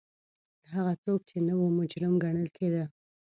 هغه څوک چې نه وو مجرم ګڼل کېده